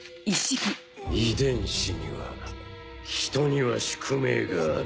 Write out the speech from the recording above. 遺伝子には人には宿命がある。